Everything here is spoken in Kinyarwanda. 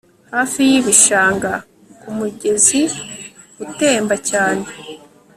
Hafi yibishanga ku mugeziutemba cyane